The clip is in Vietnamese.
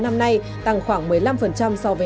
năm nay tăng khoảng một mươi năm so với